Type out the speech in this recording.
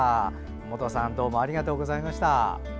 本さんどうもありがとうございました。